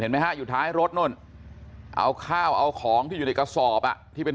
ไหมฮะอยู่ท้ายรถนู่นเอาข้าวเอาของที่อยู่ในกระสอบอ่ะที่เป็น